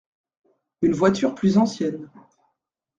Une voiture plus ancienne.